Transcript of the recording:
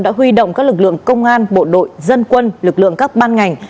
đã huy động các lực lượng công an bộ đội dân quân lực lượng các ban ngành